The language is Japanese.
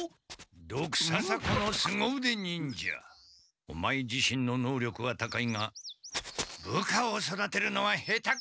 ドクササコの凄腕忍者オマエ自身の能力は高いが部下を育てるのは下手くそのようだな。